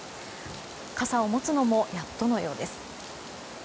傘を持つのもやっとのようです。